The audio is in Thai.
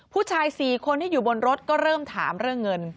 ผู้ชาย๔คนที่อยู่บนรถก็เริ่มถามเรื่องเงิน